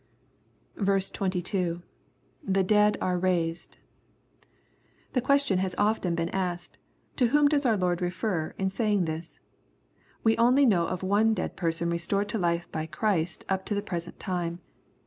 220 EXrOSITOBT THOUGHTS. 22. — [Ihe dead are raised ] The question has often been asked, To whom does our Lord refer, in saying this ? We only know of one dead person restored to fife bj Cnrist up to the present time.